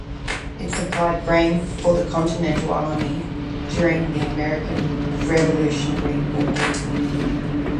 It supplied grain for the Continental Army during the American Revolutionary War.